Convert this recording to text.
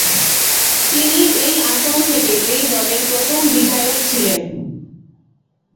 তিনি এই আসন থেকে এই দলের প্রথম বিধায়ক ছিলেন।